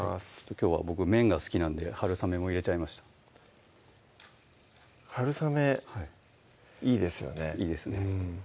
きょうは僕麺が好きなんではるさめも入れちゃいましたはるさめいいですよねいいですね